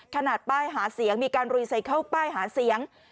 ขนาดป้ายหาเสียงมีการรีไซเคิลป้ายหาเสียง